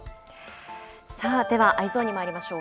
さあ、ではＥｙｅｓｏｎにまいりましょう。